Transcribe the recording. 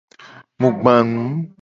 Mu gba nu.